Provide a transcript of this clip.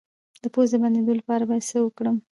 د پوزې د بندیدو لپاره باید څه وکاروم؟